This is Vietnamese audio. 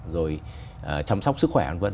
rồi chăm sóc sức khỏe còn vấn